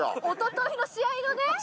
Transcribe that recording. おとといの試合のね。